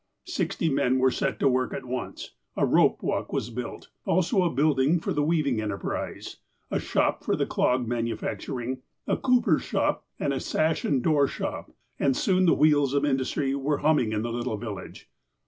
Sixty men were set to work at once. A rope walk was built, also a building for the weaving enterprise, a shop for the clog manufacturing, a cooper's shop, and a sash and door shop, and soon the wheels of industry were humming in the little village.